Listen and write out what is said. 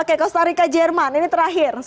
oke kalau starika jerman ini terakhir